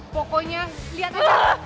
pokoknya lihat aja